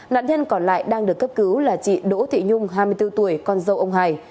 nạn nhân còn lại đang được cấp cứu là chị đỗ thị nhung hai mươi bốn tuổi con dâu ông hải